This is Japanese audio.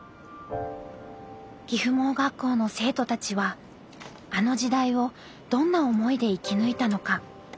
岐阜盲学校の生徒たちはあの時代をどんな思いで生き抜いたのか。